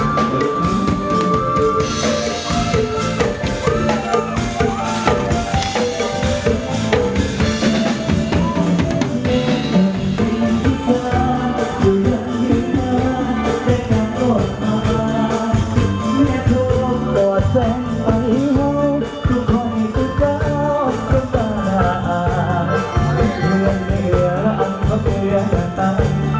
สิลปินก็เริ่มทยอยสร้างความสนุกให้กับคอนเสิร์ตกันแล้วแต่แน่นอนก็มีสิลปินอีกหลายคนที่รอขึ้นโชว์เราไปดูกันนะครับว่ามีใครกันบ้าง